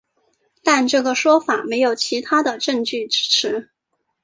但这个说法没有其他的证据支持。